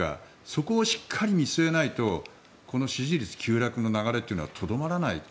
そこをしっかり見据えないとこの支持率急落の流れはとどまらない。